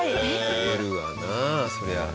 売れるわなそりゃ。